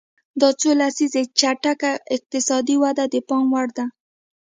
دا څو لسیزې چټکه اقتصادي وده د پام وړ ده.